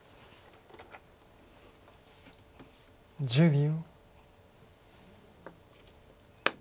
１０秒。